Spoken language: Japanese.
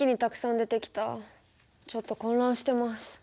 ちょっと混乱してます。